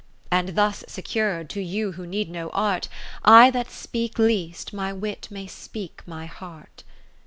And thus secur'd, to you who need no art, I that speak least my wit may speak my heart.